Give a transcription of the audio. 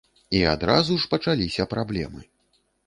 І адразу ж пачаліся праблемы.